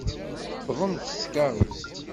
Tuwḍem-d s tkeṛṛust.